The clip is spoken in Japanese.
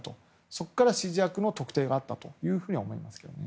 そこから指示役の特定があったと思います。